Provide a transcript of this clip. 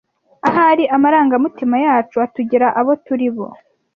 Ahari amarangamutima yacu atugira abo turi bo.